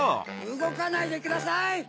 うごかないでください！